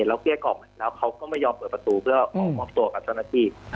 เกลี้ยกล่อมแล้วเขาก็ไม่ยอมเปิดประตูเพื่อออกมอบตัวกับเจ้าหน้าที่